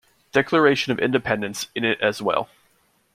Declaration of Independence in it as well.